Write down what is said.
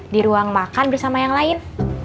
di ruang makan bersama yang lain